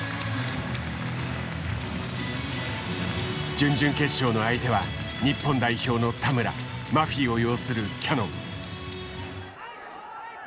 準々決勝の相手は日本代表の田村マフィを擁するキヤノン。